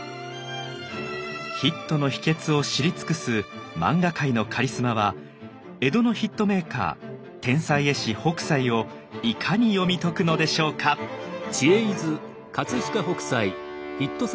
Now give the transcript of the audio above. ヒットの秘訣を知り尽くす漫画界のカリスマは江戸のヒットメーカー天才絵師北斎をいかに読み解くのでしょうか？ということですね。